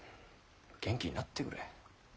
元気になってくれ。